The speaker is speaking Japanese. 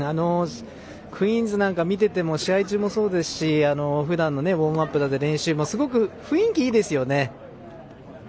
クイーンズなんか見てても試合中もそうですしふだんのウォームアップの練習もすごく雰囲気がいいですよね。